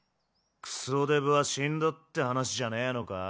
クソデブは死んだって話じゃねぇのか？